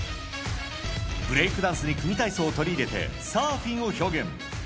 ブレイクダンスに組み体操を取り入れて、サーフィンを表現。